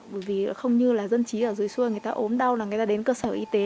bởi vì không như là dân trí ở dưới xuôi người ta ốm đau là người ta đến cơ sở y tế